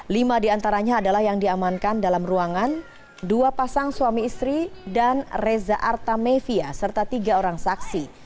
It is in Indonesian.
lima diantaranya adalah yang diamankan dalam ruangan dua pasang suami istri dan reza artamevia serta tiga orang saksi